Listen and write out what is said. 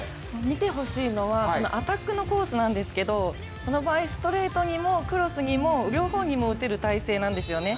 見てほしいのはアタックのコースなんですけれども、この場合ストレートにもクロスにも両方にも打てる体勢なんですよね。